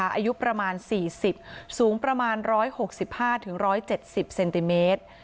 อายุประมาณสี่สิบสูงประมาณร้อยหกสิบห้าถึงร้อยเจ็ดสิบเซนติเมตร